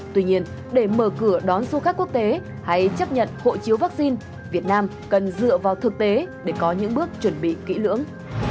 tuy nhiên để mở cửa đón du khách quốc tế hay chấp nhận hộ chiếu vaccine việt nam cần dựa vào thực tế để có những bước chuẩn bị kỹ lưỡng